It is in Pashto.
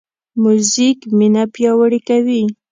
موزیک مینه پیاوړې کوي.